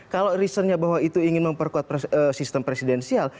kalau reasonnya bahwa itu ingin memperkuat sistem presidensial